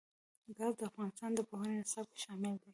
ګاز د افغانستان د پوهنې نصاب کې شامل دي.